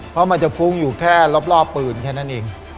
เพราะมันจะฟุ้งอยู่แค่รอบปืนแค่นั้นเอง